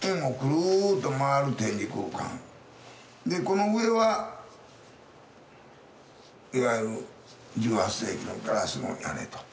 でこの上はいわゆる１８世紀のガラスの屋根と。